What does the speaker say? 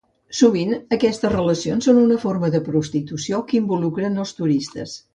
Sovint aquestes relacions són una forma de prostitució, que involucren els turistes.